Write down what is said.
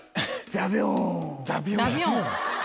ザビョン？